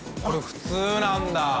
これ普通なんだ。